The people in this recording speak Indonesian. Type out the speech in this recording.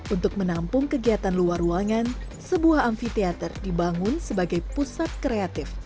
untuk menampung kegiatan luar ruangan sebuah amfiteater dibangun sebagai pusat kreatif